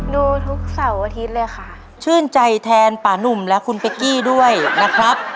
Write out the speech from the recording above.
ดูทุกเสาร์อาทิตย์เลยค่ะ